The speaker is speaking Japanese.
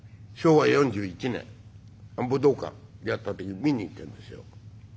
昭和４１年武道館やった時見に行ってんですよ。